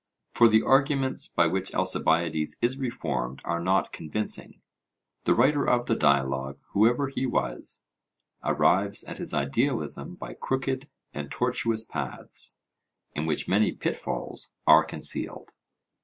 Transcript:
For the arguments by which Alcibiades is reformed are not convincing; the writer of the dialogue, whoever he was, arrives at his idealism by crooked and tortuous paths, in which many pitfalls are concealed.